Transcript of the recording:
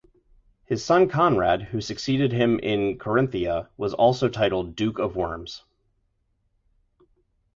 His son, Conrad, who succeeded him in Carinthia, was also titled "duke of Worms".